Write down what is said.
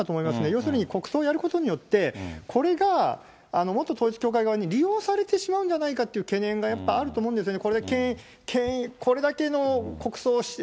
要するに、国葬をやることによって、これが元統一教会側に利用されてしまうんじゃないかという懸念がやっぱあると思うんですよね。